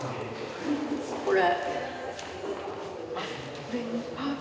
これ。